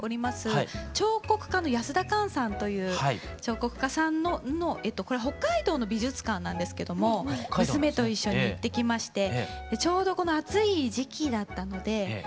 彫刻家の安田侃さんという彫刻家さんのこれ北海道の美術館なんですけども娘と一緒に行ってきましてちょうどこの暑い時期だったので水遊びをしました。